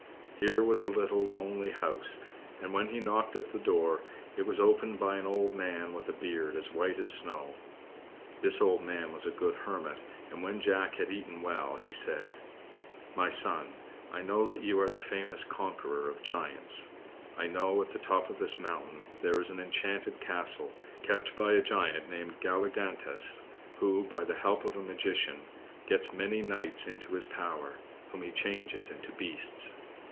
Here was a little, lonely house; and when he knocked at the door it was opened by an old man with a beard as white as snow. This old man was a good hermit, and when Jack had eaten well, he said: "My son, I know that you are the famous conqueror of giants. I know, at the top of this mountain there is an enchanted castle, kept by a giant named Galligantes, who, by the help of a magician, gets many knights into his power whom he changes into beasts.